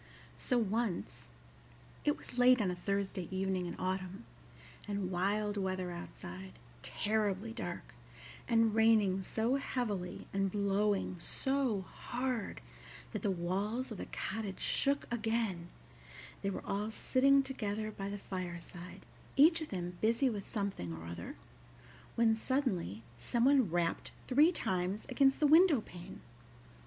So once it was late on a Thursday evening in autumn, and wild weather outside, terribly dark, and raining so heavily and blowing so hard that the walls of the cottage shook again they were all sitting together by the fireside, each of them busy with something or other, when suddenly some one rapped three times against the window pane.